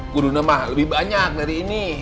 gurunya mah lebih banyak dari ini